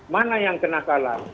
mana yang kenakalan